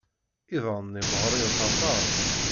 Iḍan-nni meɣɣrit aṭas.